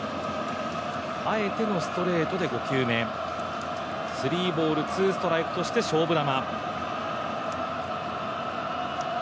あえてのストレートで５球目スリーボールツーストライクとして勝負球。